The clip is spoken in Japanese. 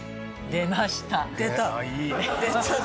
出ました。